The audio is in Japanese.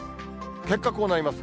結果、こうなります。